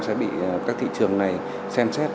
sẽ bị các thị trường này xem xét